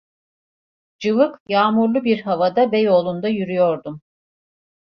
Cıvık, yağmurlu bir havada Beyoğlu'nda yürüyordum.